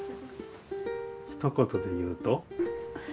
ひと言で言うと？